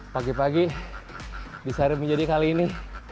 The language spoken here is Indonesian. pagi pagi bisa remi jadi kali ini